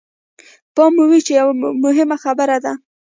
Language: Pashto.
پام مو وي چې يوه مهمه خبره ده.